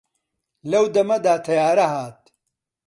لەو دەمەدا تەیارە هات